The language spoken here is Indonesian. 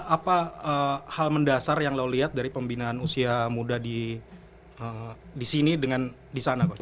apa hal mendasar yang lo lihat dari pembinaan usia muda di sini dengan di sana coach